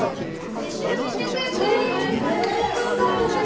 めちゃめちゃかっこいいです。